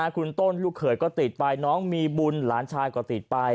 คุณต้นลูกเขยก็ติดไปน้องมีบุญหลานชายก็ติดไป